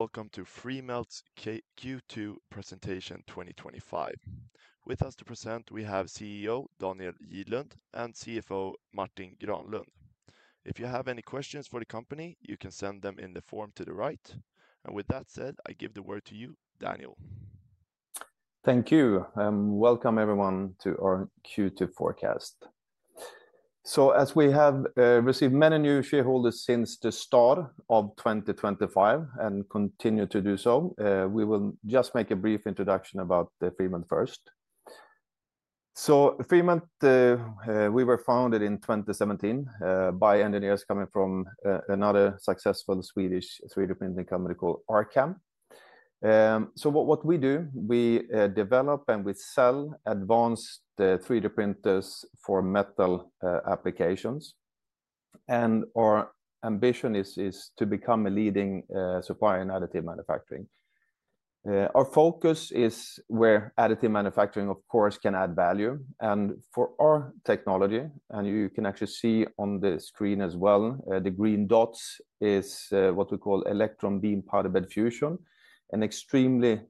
Welcome to Freemelt's Q2 Presentation 2025. With us to present, we have CEO Daniel Gidlund and CFO Martin Granlund. If you have any questions for the company, you can send them in the form to the right. With that said, I give the word to you, Daniel. Thank you and welcome everyone to our Q2 Forecast. As we have received many new shareholders since the start of 2025 and continue to do so, we will just make a brief introduction about Freemelt first. Freemelt, we were founded in 2017 by engineers coming from another successful Swedish 3D printing company called Arcam. What we do, we develop and we sell advanced 3D printers for metal applications. Our ambition is to become a leading supplier in additive manufacturing. Our focus is where additive manufacturing, of course, can add value. For our technology, and you can actually see on the screen as well, the green dots Electron Beam Powder Bed Fusion, an extremely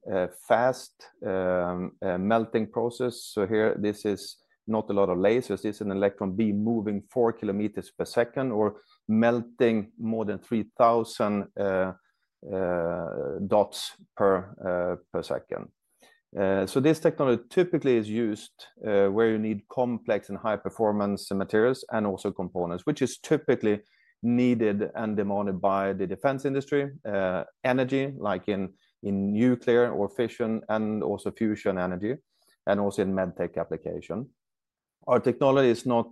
fast melting process. Here, this is not a lot of lasers. This is an electron beam moving 4km per second or melting more than 3,000 dots per second. This technology is typically used where you need complex and high-performance materials and also components, which is typically needed and demanded by the defense industry, energy, like in nuclear or fission, and also fusion energy, and also in MedTech applications. Our technology is not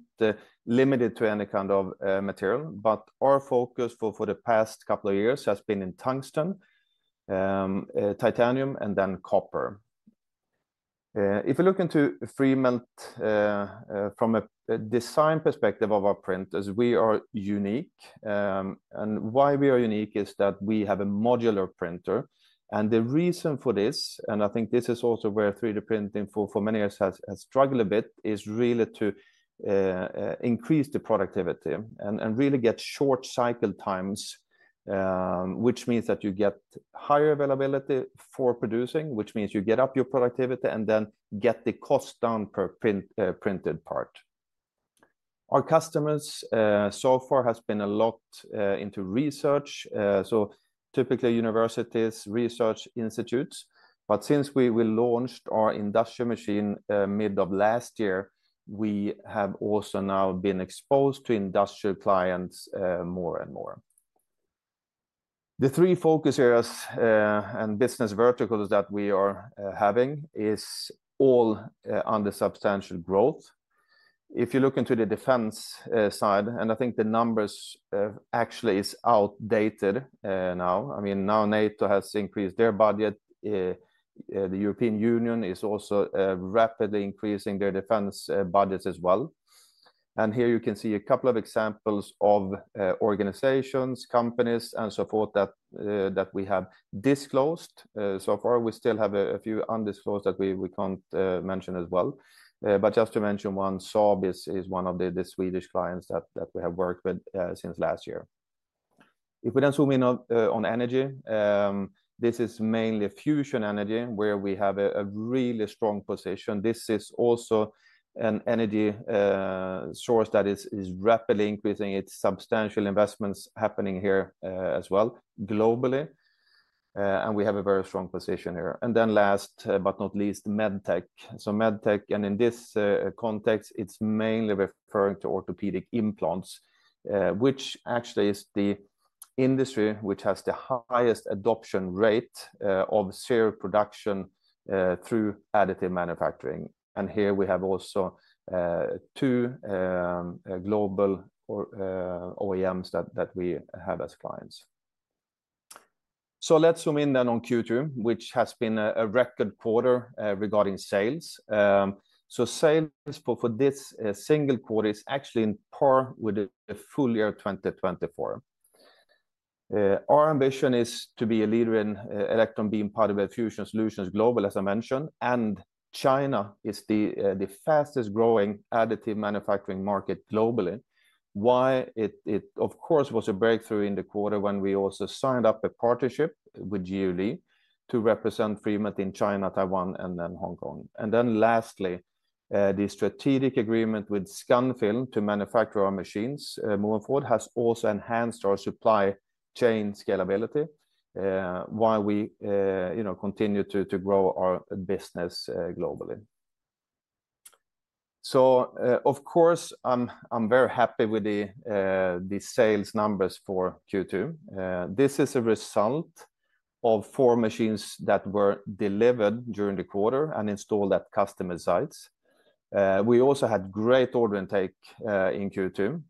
limited to any kind of material, but our focus for the past couple of years has been in tungsten, titanium, and then copper. If you look into Freemelt from a design perspective of our printers, we are unique. Why we are unique is that we have a modular printer The reason for this, and I think this is also where 3D printing for many of us has struggled a bit, is really to increase the productivity and really get short cycle times, which means that you get higher availability for producing, which means you get up your productivity and then get the cost down per printed part. Our customers so far have been a lot into research. Typically universities, research institutes. Since we launched our industrial machine mid of last year, we have also now been exposed to industrial clients more and more. The three focus areas and business verticals that we are having are all under substantial growth. If you look into the defense side, and I think the numbers actually are outdated now. I mean, now NATO has increased their budget. The European Union is also rapidly increasing their defense budgets as well. Here you can see a couple of examples of organizations, companies, and so forth that we have disclosed. So far, we still have a few undisclosed that we can't mention as well. Just to mention one, Saab is one of the Swedish clients that we have worked with since last year. If we then zoom in on energy, this is mainly fusion energy where we have a really strong position. This is also an energy source that is rapidly increasing. There are substantial investments happening here as well globally. We have a very strong position here. Last but not least, MedTech. MedTech, and in this context, it's mainly referring to orthopedic implants, which actually is the industry which has the highest adoption rate of serial production through additive manufacturing. Here we have also two global OEMs that we have as clients. Let's zoom in then on Q2, which has been a record quarter regarding sales. Sales for this single quarter is actually in par with the full year 2024. Our ambition is to Electron Beam Powder Bed Fusion solutions globally, as i mentioned. China is the fastest growing additive manufacturing market globally. It, of course, was a breakthrough in the quarter when we also signed up a partnership with GUD to represent Freemelt in China, Taiwan, and then Hong Kong. Lastly, the strategic agreement with Scanfil to manufacture our machines moving forward has also enhanced our supply chain scalability while we continue to grow our business globally. Of course, I'm very happy with the sales numbers for Q2. This is a result of four machines that were delivered during the quarter and installed at customer sites. We also had great order intake in Q2.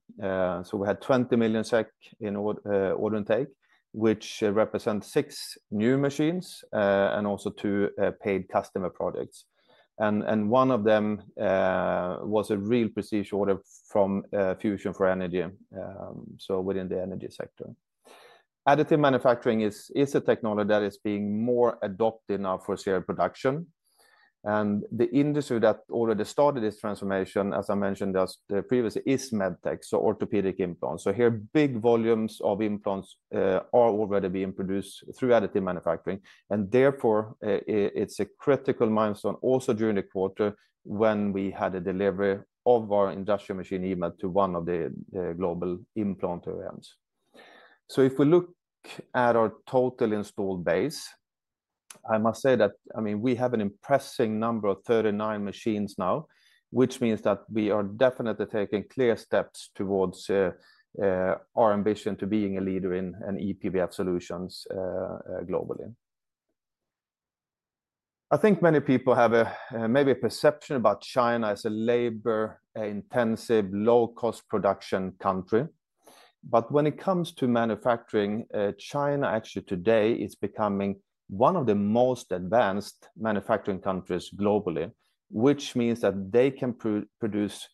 We had 20 million SEK in order intake, which represents six new machines and also two paid customer projects. One of them was a real procedure order from Fusion for Energy. Within the energy sector, additive manufacturing is a technology that is being more adopted now for serial production. The industry that already started this transformation, as I mentioned previously, is medtech, so orthopedic implants. Here, big volumes of implants are already being produced through additive manufacturing. Therefore, it's a critical milestone also during the quarter when we had a delivery of our industrial machine eMELT to one of the global implant OEMs. If we look at our total installed base, I must say that we have an impressive number of 39 machines now, which means that we are definitely taking clear steps towards our ambition to being a leader in E-PBF solutions globally. I think many people have maybe a perception about China as a labor-intensive, low-cost production country. When it comes to manufacturing, China actually today is becoming one of the most advanced manufacturing countries globally, which means that they can produce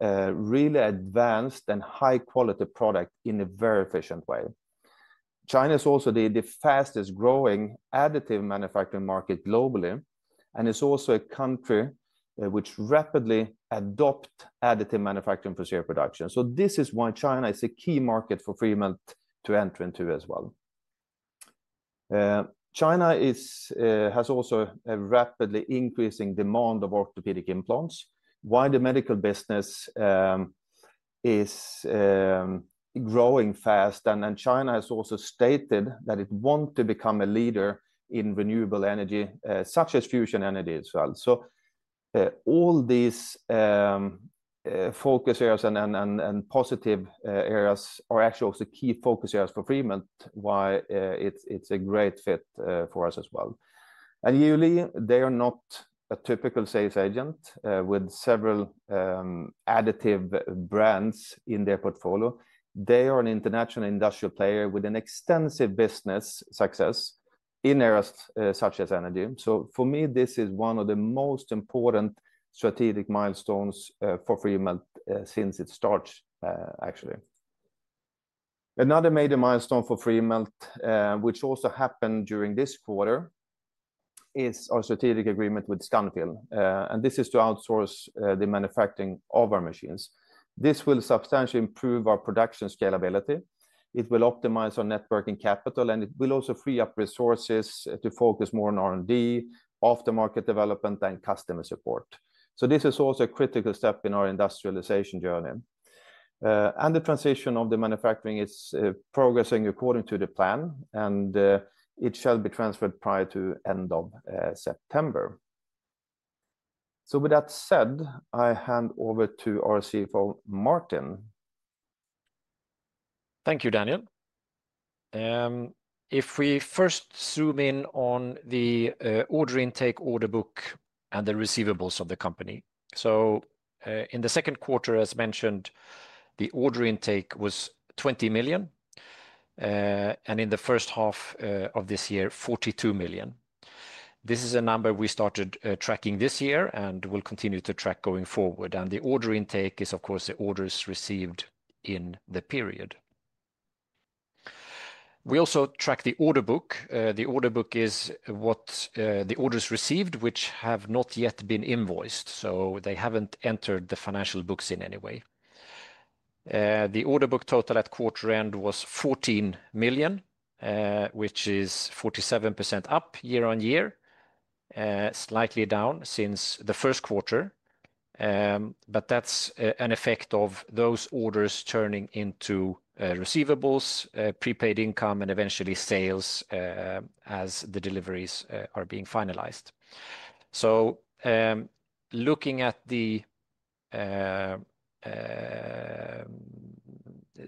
a really advanced and high-quality product in a very efficient way. China is also the fastest growing additive manufacturing market globally, and it's also a country which rapidly adopts additive manufacturing for serial production. This is why China is a key market for Freemelt to enter into as well. China has also a rapidly increasing demand of orthopedic implants. While the medical business is growing fast, China has also stated that it wants to become a leader in renewable energy, such as fusion energy as well. All these focus areas and positive areas are actually also key focus areas for Freemelt, why it's a great fit for us as well. They are not a typical sales agent with several additive brands in their portfolio. They are an international industrial player with an extensive business success in areas such as energy. For me, this is one of the most important strategic milestones for Freemelt since its start, actually. Another major milestone for Freemelt, which also happened during this quarter, is our strategic agreement with Scanfil. This is to outsource the manufacturing of our machines. This will substantially improve our production scalability. It will optimize our networking capital, and it will also free up resources to focus more on R&D, aftermarket development, and customer support. This is also a critical step in our industrialization journey. The transition of the manufacturing is progressing according to the plan, and it shall be transferred prior to the end of September. With that said, I hand over to our CFO, Martin. Thank you, Daniel. If we first zoom in on the order intake, order book, and the receivables of the company. In the second quarter, as mentioned, the order intake was 20 million, and in the first half of this year, 42 million. This is a number we started tracking this year and will continue to track going forward. The order intake is, of course, the orders received in the period. We also track the order book. The order book is the orders received which have not yet been invoiced. They haven't entered the financial books in any way. The order book total at quarter end was 14 million, which is 47% up year-on-year, slightly down since the first quarter. That's an effect of those orders churning into receivables, prepaid income, and eventually sales as the deliveries are being finalized. Looking at the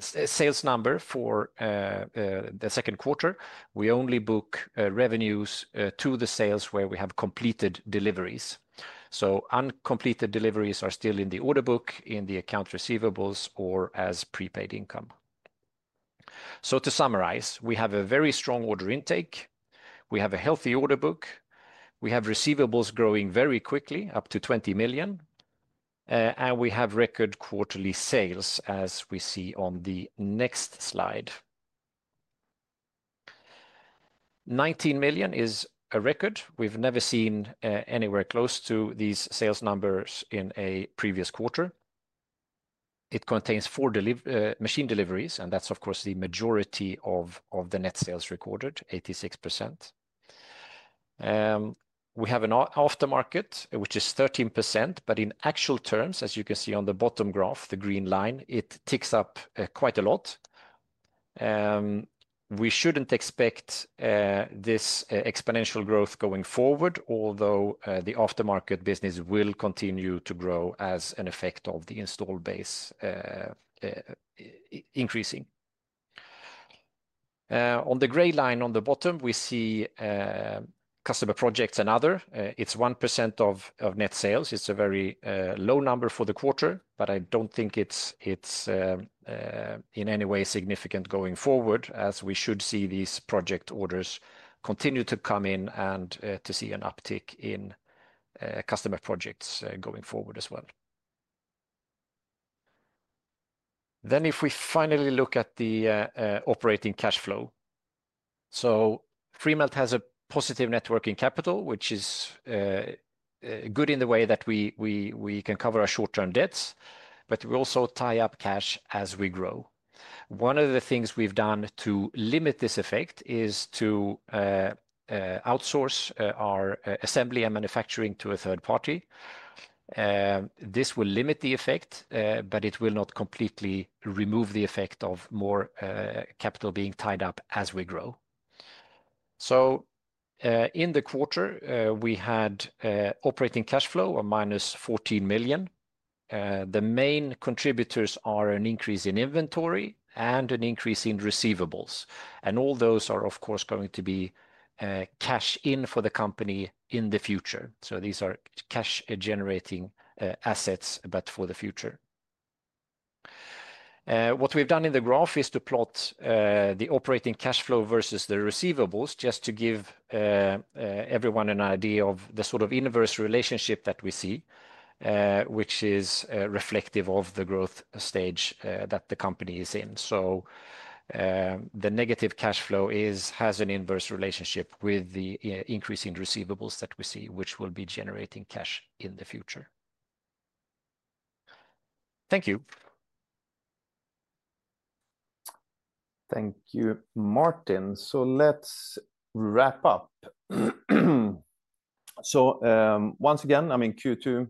sales number for the second quarter, we only book revenues to the sales where we have completed deliveries. Uncompleted deliveries are still in the order book, in the account receivables, or as prepaid income. To summarize, we have a very strong order intake, we have a healthy order book, we have receivables growing very quickly, up to 20 million, and we have record quarterly sales, as we see on the next slide. 19 million is a record. We've never seen anywhere close to these sales numbers in a previous quarter. It contains four machine deliveries, and that's, of course, the majority of the net sales recorded, 86%. We have an aftermarket, which is 13%, but in actual terms, as you can see on the bottom graph, the green line, it ticks up quite a lot. We shouldn't expect this exponential growth going forward, although the aftermarket business will continue to grow as an effect of the install base increasing. On the gray line on the bottom, we see customer projects and others. It's 1% of net sales. It's a very low number for the quarter, but I don't think it's in any way significant going forward, as we should see these project orders continue to come in and to see an uptick in customer projects going forward as well. If we finally look at the operating cash flow, Freemelt has a positive net working capital, which is good in the way that we can cover our short-term debts, but we also tie up cash as we grow. One of the things we've done to limit this effect is to outsource our assembly and manufacturing to a third party. This will limit the effect, but it will not completely remove the effect of more capital being tied up as we grow. In the quarter, we had operating cash flow of -14 million. The main contributors are an increase in inventory and an increase in receivables. All those are, of course, going to be cash in for the company in the future. These are cash-generating assets, but for the future. What we've done in the graph is to plot the operating cash flow versus the receivables, just to give everyone an idea of the sort of inverse relationship that we see, which is reflective of the growth stage that the company is in. The negative cash flow has an inverse relationship with the increasing receivables that we see, which will be generating cash in the future. Thank you. Thank you, Martin. Let's wrap up. Once again, I mean, Q2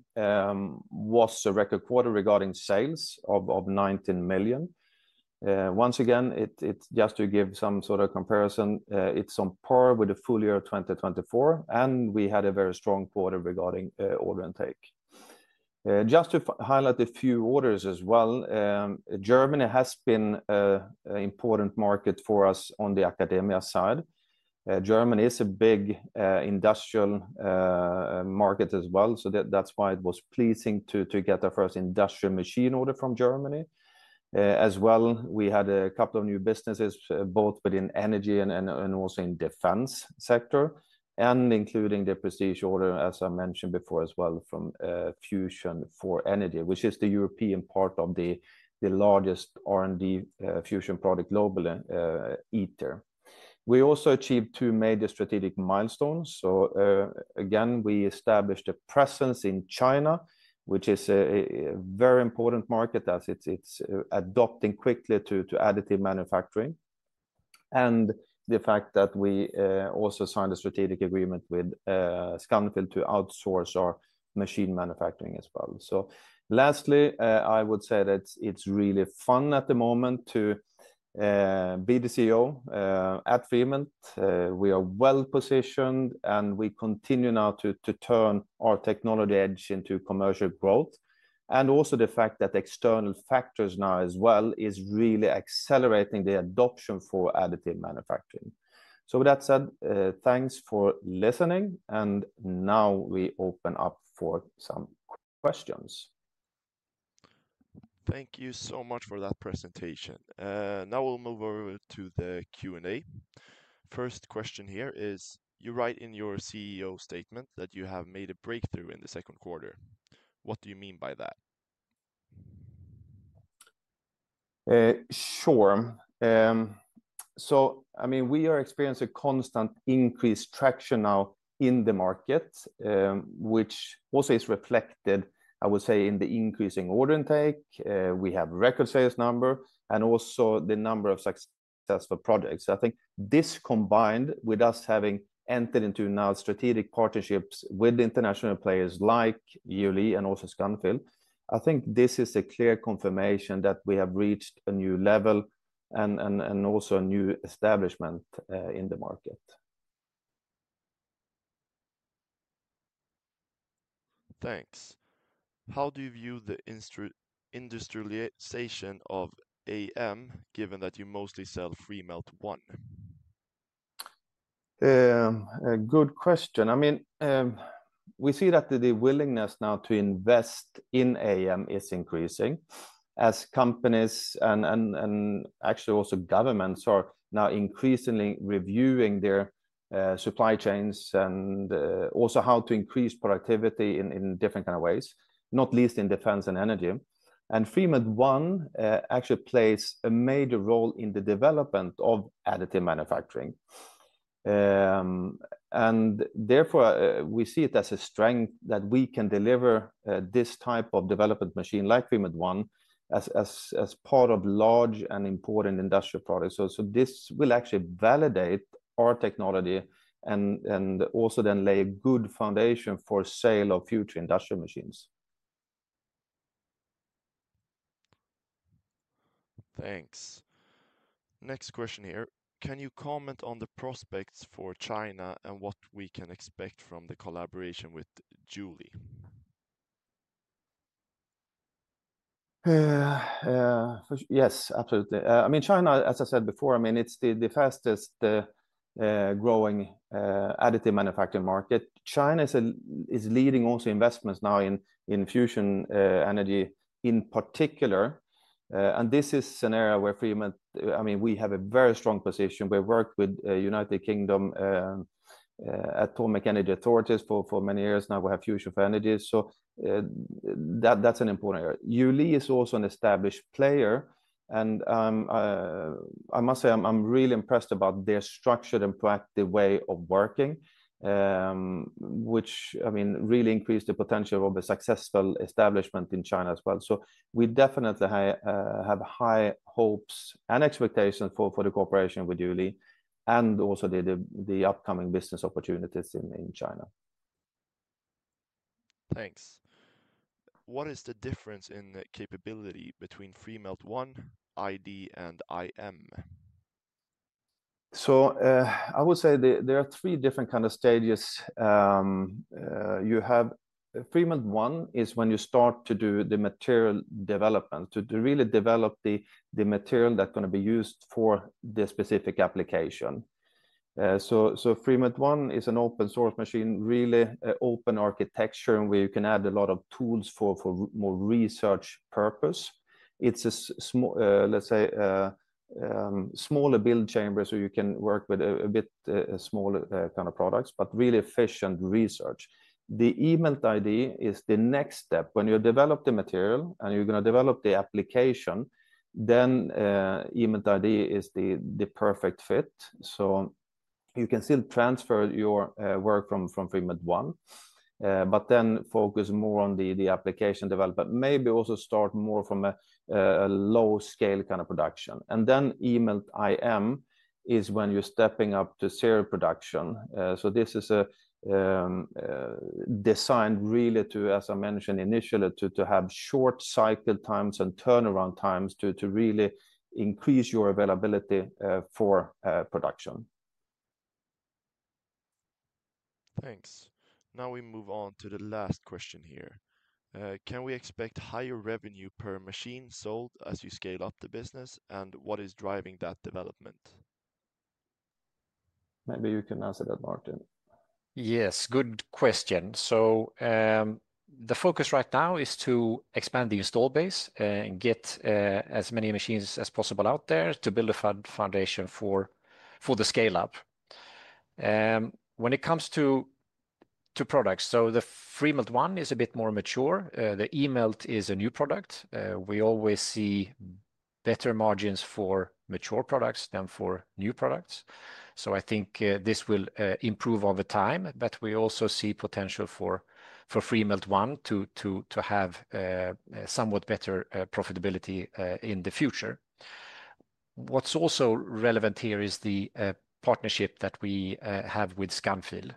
was a record quarter regarding sales of 19 million. Just to give some sort of comparison, it's on par with the full year 2024, and we had a very strong quarter regarding order intake. Just to highlight a few orders as well, Germany has been an important market for us on the academia side. Germany is a big industrial market as well, so that's why it was pleasing to get the first industrial machine order from Germany. We had a couple of new businesses, both within energy and also in the defense sector, including the prestige order, as I mentioned before as well, from Fusion for Energy, which is the European part of the largest R&D fusion project globally, ITER. We also achieved two major strategic milestones. We established a presence in China, which is a very important market as it's adopting quickly to additive manufacturing. The fact that we also signed a strategic agreement with Scanfil to outsource our machine manufacturing as well. Lastly, I would say that it's really fun at the moment to be the CEO at Freemelt. We are well positioned, and we continue now to turn our technology edge into commercial growth. Also, the fact that external factors now as well are really accelerating the adoption for additive manufacturing. With that said, thanks for listening, and now we open up for some questions. Thank you so much for that presentation. Now we'll move over to the Q&A. First question here is, you write in your CEO statement that you have made a breakthrough in the second quarter. What do you mean by that? Sure. I mean, we are experiencing a constant increased traction now in the market, which also is reflected, I would say, in the increasing order intake. We have record sales numbers and also the number of successful projects. I think this combined with us having entered into now strategic partnerships with international players like Yearly and also Scanfil, I think this is a clear confirmation that we have reached a new level and also a new establishment in the market. Thanks. How do you view the industrialization of additive manufacturing, given that you mostly sell Freemelt ONE? Good question. I mean, we see that the willingness now to invest in AM is increasing as companies and actually also governments are now increasingly reviewing their supply chains and also how to increase productivity in different kinds of ways, not least in defense and energy. Freemelt ONE actually plays a major role in the development of additive manufacturing. Therefore, we see it as a strength that we can deliver this type of development machine like Freemelt ONE as part of large and important industrial products. This will actually validate our technology and also then lay a good foundation for sale of future industrial machines. Thanks. Next question here. Can you comment on the prospects for China and what we can expect from the collaboration with GUD? Yes, absolutely. I mean, China, as I said before, I mean, it's the fastest growing additive manufacturing market. China is leading also investments now in fusion energy in particular. This is an area where Freemelt, I mean, we have a very strong position. We worked with the United Kingdom Atomic Energy Authority for many years. Now we have Fusion for Energy. That's an important area. GUD is also an established player. I must say, I'm really impressed about their structured and proactive way of working, which, I mean, really increased the potential of a successful establishment in China as well. We definitely have high hopes and expectations for the cooperation with GUD and also the upcoming business opportunities in China. Thanks. What is the difference in the capability between Freemelt ONE, ID, and IM? I would say there are three different kinds of stages. Freemelt ONE is when you start to do the material development, to really develop the material that's going to be used for the specific application. Freemelt ONE is an open-source machine, really open architecture where you can add a lot of tools for more research purpose. It's a small, let's say, smaller build chamber, so you can work with a bit smaller kind of products, but really efficient research. The eMELT is the next step. When you develop the material and you're going to develop the application, then eMELT is the perfect fit. You can still transfer your work from Freemelt ONE, but then focus more on the application development, maybe also start more from a low-scale kind of production. eMELT is when you're stepping up to serial production. This is designed really to, as I mentioned initially, to have short cycle times and turnaround times to really increase your availability for production. Thanks. Now we move on to the last question here. Can we expect higher revenue per machine sold as you scale up the business, and what is driving that development? Maybe you can answer that, Martin. Yes, good question. The focus right now is to expand the install base and get as many machines as possible out there to build a foundation for the scale-up. When it comes to products, the Freemelt ONE is a bit more mature. The eMELT is a new product. We always see better margins for mature products than for new products. I think this will improve over time, but we also see potential for Freemelt ONE to have somewhat better profitability in the future. What's also relevant here is the partnership that we have with Scanfil,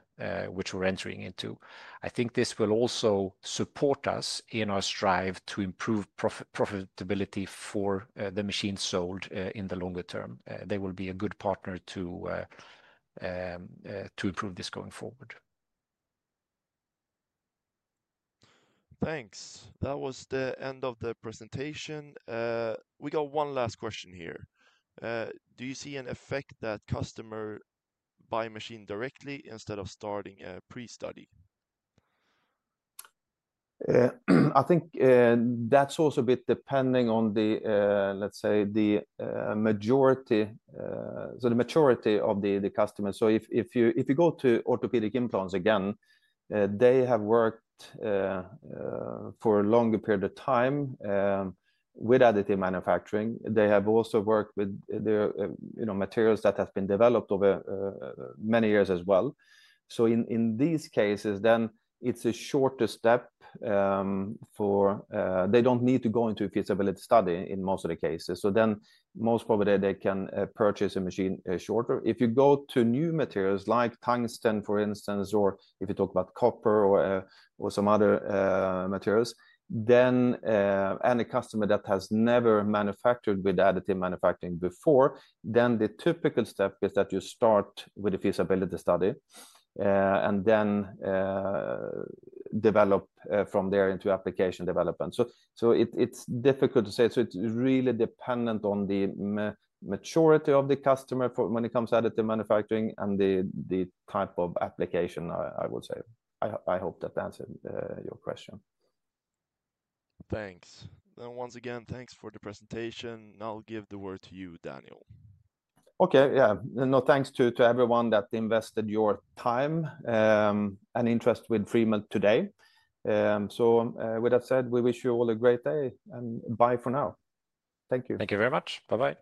which we're entering into. I think this will also support us in our strive to improve profitability for the machines sold in the longer term. They will be a good partner to improve this going forward. Thanks. That was the end of the presentation. We got one last question here. Do you see an effect that customers buy a machine directly instead of starting a pre-study? I think that's also a bit depending on the, let's say, the majority of the customers. If you go to orthopedic implants again, they have worked for a longer period of time with additive manufacturing. They have also worked with materials that have been developed over many years as well. In these cases, it's a shorter step for they don't need to go into a feasibility study in most of the cases. Most probably they can purchase a machine shorter. If you go to new materials like tungsten, for instance, or if you talk about copper or some other materials, a customer that has never manufactured with additive manufacturing before, the typical step is that you start with a feasibility study and then develop from there into application development. It's difficult to say. It's really dependent on the maturity of the customer when it comes to additive manufacturing and the type of application, I would say. I hope that answered your question. Thanks. Once again, thanks for the presentation. Now I'll give the word to you, Daniel. Okay, yeah. No, thanks to everyone that invested your time and interest with Freemelt today. With that said, we wish you all a great day and bye for now. Thank you. Thank you very much. Bye-bye.